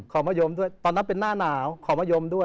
แต่ตอนนั้นแต่หน้าหนาว